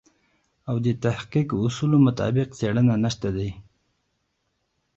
او د تحقیق اصولو مطابق څېړنه نشته دی.